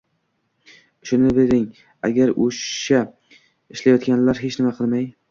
Ishonavering, agar o‘sha ishlayotganlar hech nima qilmay